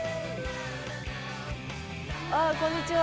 あこんにちは。